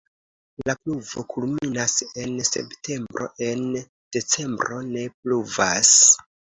La pluvo kulminas en septembro, en decembro ne pluvas.